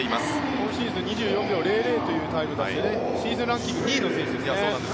今シーズン２４秒００というタイムでシーズンランキング２位の選手ですね。